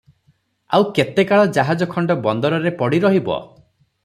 ଆଉ କେତେକାଳ ଜାହାଜଖଣ୍ଡ ବନ୍ଦରରେ ପଡ଼ି ରହିବ?